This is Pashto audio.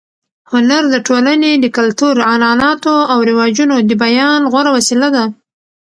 هنر د ټولنې د کلتور، عنعناتو او رواجونو د بیان غوره وسیله ده.